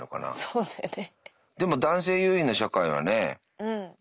そうだね。